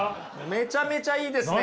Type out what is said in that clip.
めちゃめちゃいいですね。